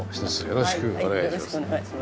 よろしくお願いします。